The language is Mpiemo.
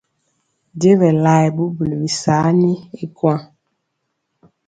Y b je bɛ laɛ bubuli bisaani y kuan.